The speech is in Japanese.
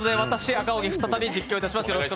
赤荻、再び実況いたします。